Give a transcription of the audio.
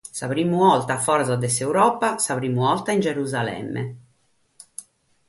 Sa prima borta a foras de s’Europa, sa prima borta in Gerusalemme.